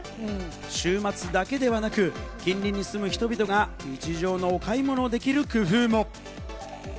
週末だけではなく、近隣に住む人々が日常のお買い物をできる工夫も。